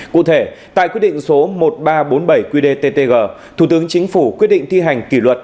cụ thể tại quyết định số một nghìn ba trăm bốn mươi bảy qdttg thủ tướng chính phủ quyết định thi hành kỷ luật